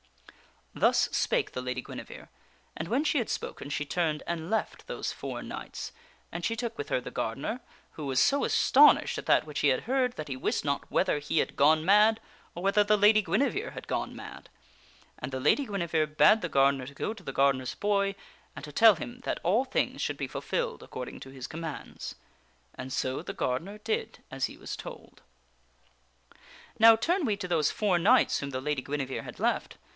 Thus spake the Lady Guinevere, and when she had spoken, she turned FOUR KNIGHTS AND A GARDENERS BOY n 9 and left those four knights, and she took with her the gardener, who was so astonished at that which he had heard, that he wist not whether he had gone mad or whether the Lady Guinevere had gone mad. And the Lady Guinevere bade the gardener to go to the gardener's boy and to tell him that all things should be fulfilled according to his commands. And so the gardener did as he was told. Now turn we to those four knights whom the Lady Guinevere had left.